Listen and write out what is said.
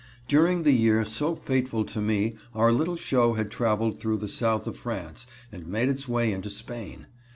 During the year so fateful to me our little show had traveled through the south of France and made its way into Spain.